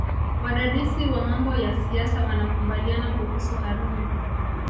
Wadadisi wa mambo ya siasa wanakubaliana kuhusu Karume